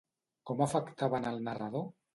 Com afectaven el narrador?